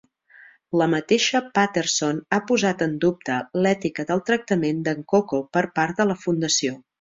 La mateixa Patterson ha posat en dubte l'ètica del tractament d'en Koko per part de la Fundació.